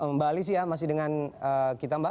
mbak alisia masih dengan kita mbak